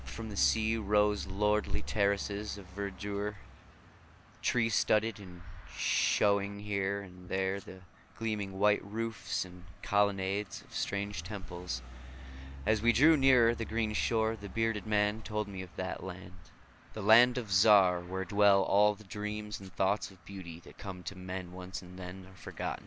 djvu/101">&#8203;the sea rose lordly terraces of verdure, tree studded, and shewing here and there the gleaming white roofs and colonnades of strange temples. As we drew nearer the green shore the bearded man told me of that land, the Land of Zar, where dwell all the dreams and thoughts of beauty that come to men once and then are forgotten.